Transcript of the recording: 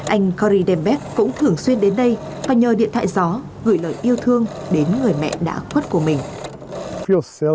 anh kari dembeck cũng thường xuyên đến đây và nhờ điện thoại gió gửi lời yêu thương đến người mẹ đã khuất của mình